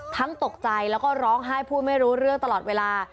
ตกใจแล้วก็ร้องไห้พูดไม่รู้เรื่องตลอดเวลา